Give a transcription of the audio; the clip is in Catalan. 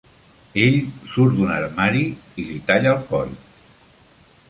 Ell surt d'un armari i li talla el coll.